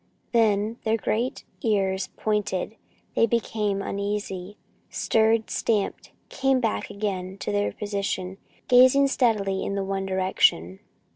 Then, their great ears pointed, they became uneasy; stirred, stamped, came back again to their position, gazing steadily in the one direction.